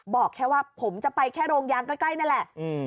บอกแค่ว่าผมจะไปแค่โรงยางใกล้นั่นแหละ